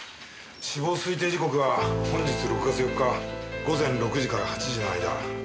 死亡推定時刻は本日６月４日午前６時から８時の間。